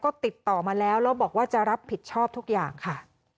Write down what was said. ก็ติดต่อมาแล้วแล้วบอกว่าจะรับผิดชอบทุกอย่างค่ะ